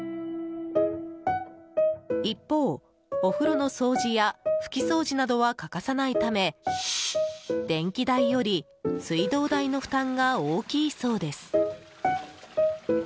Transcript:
一方、お風呂の掃除や拭き掃除などは欠かさないため電気代より水道代の負担が大きいそうです。